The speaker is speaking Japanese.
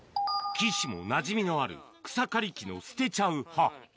岸もなじみのある草刈り機の捨てちゃう刃。